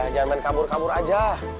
jangan kabur kabur aja